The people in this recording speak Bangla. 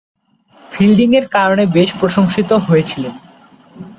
ফিল্ডিংয়ের কারণে বেশ প্রশংসিত হয়েছিলেন।